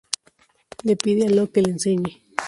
Le pide a Locke que le enseñe.